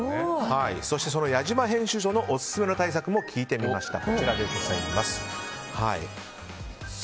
そして、その矢島編集長のオススメの対策も聞いてみました。